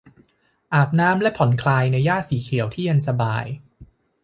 อาบน้ำและผ่อนคล้ายในหญ้าสีเขียวที่เย็นสบาย